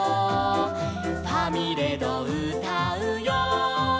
「ファミレドうたうよ」